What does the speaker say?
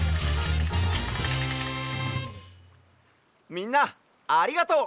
みんなありがとう！